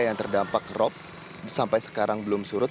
yang terdampak rop sampai sekarang belum surut